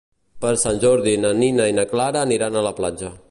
Per Sant Jordi na Nina i na Clara aniran a la platja.